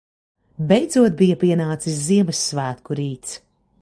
Beidzot bija pienācis Ziemassvētku rīts.